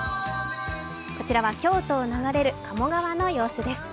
こちらは京都を流れる鴨川の様子です。